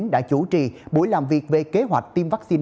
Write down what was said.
đã chủ trì buổi làm việc về kế hoạch tiêm vaccine